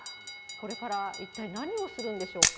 これから一体何をするんでしょうか。